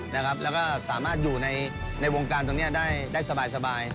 แล้วก็สามารถอยู่ในวงการตรงนี้ได้สบาย